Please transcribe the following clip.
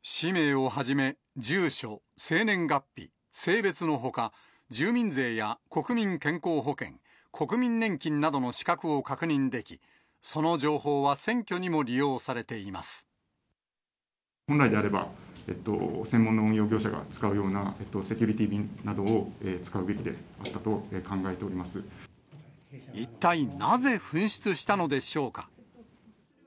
氏名をはじめ、住所、生年月日、性別のほか、住民税や国民健康保険、国民年金などの資格を確認でき、その情報本来であれば、専門の運用業者が使うようなセキュリティ便などを使うべきであっ一体なぜ紛失したのでしょうか。